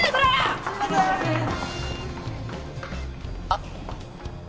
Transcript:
あっ。